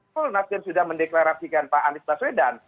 pol nasdem sudah mendeklarasikan pak anies laswedan